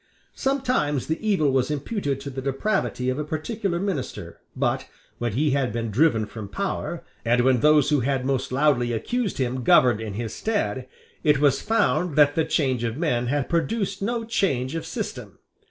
Sometimes the evil was imputed to the depravity of a particular minister: but, when he had been driven from power, and when those who had most loudly accused him governed in his stead, it was found that the change of men had produced no change of system.